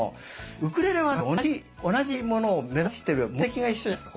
ウクレレはねやはり同じものを目指してる目的が一緒じゃないですか。